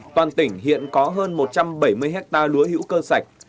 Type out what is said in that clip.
toàn tỉnh hiện có hơn một trăm bảy mươi hectare lúa hữu cơ sạch